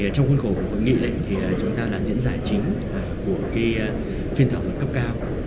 trong khuôn khổ của nghị lệnh chúng ta là diễn giải chính của phiên thảo luận cấp cao